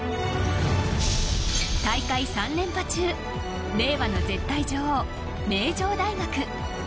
大会３連覇中令和の絶対女王名城大学。